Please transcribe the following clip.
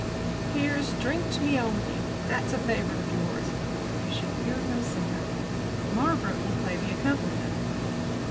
"Here's 'Drink to me only.' That's a favourite of yours." (You should hear him sing it.) "Margaret will play the accompaniment."